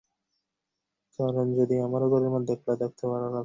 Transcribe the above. কারণ যদি আমারো ঘরের মধ্যে একলা থাকতে ভালো লাগতো।